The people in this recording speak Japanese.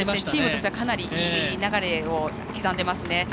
チームとしてはかなりいい流れを刻んでますね。